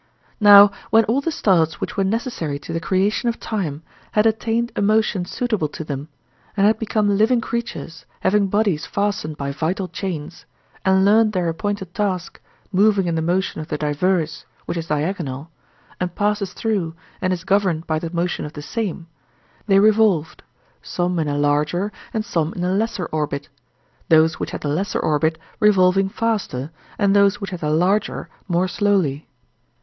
Now, when all the stars which were necessary to the creation of time had attained a motion suitable to them, and had become living creatures having bodies fastened by vital chains, and learnt their appointed task, moving in the motion of the diverse, which is diagonal, and passes through and is governed by the motion of the same, they revolved, some in a larger and some in a lesser orbit—those which had the lesser orbit revolving faster, and those which had the larger more slowly.